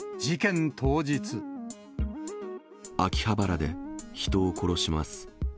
秋葉原で人を殺します。